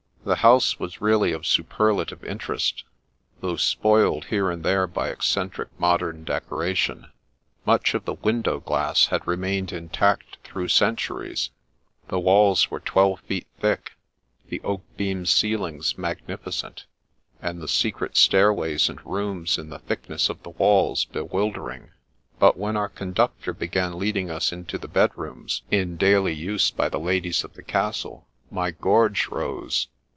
The house was really of superlative interest, though spoiled here and there by eccentric mod em decoration. Much of the window glass had remained intact through centuries; the walls were twelve feet thick; the oak beamed ceilings magnifi cent, and the secret stairways and rooms in the thickness of the walls, bewildering; but when our conductor began leading us into the bedrooms in 156 The Princess Passes daily use by the ladies of the castle, my gorge rose.